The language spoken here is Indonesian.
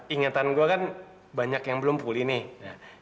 ingatan gue kan banyak yang belum pulih nih